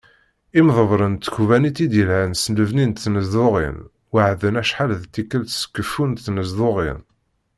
Imḍebbren n tkkebanit i d-yelhan s lebni n tnezduɣin, weɛden acḥal d tikelt s keffu n tnezduɣin.